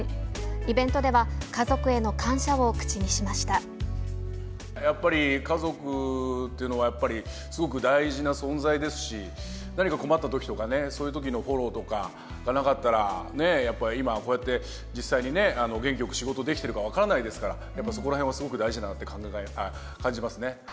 イベントでは、家族への感謝を口やっぱり家族というのは、やっぱりすごく大事な存在ですし、何か困ったときとかね、そういうときのフォローとかがなかったら、ねぇ、やっぱり今、こうやって実際にね、元気よく仕事できてるか分からないですから、やっぱ、そこらへんはすごく大事だなって感じますね。